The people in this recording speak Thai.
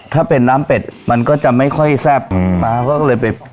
ถ้าเป็นน้ำเป็ดมันก็จะไม่ค่อยแซ่บอืมป๊าก็เลยไป